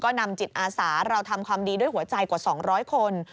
นำจิตอาสาเราทำความดีด้วยหัวใจกว่า๒๐๐คน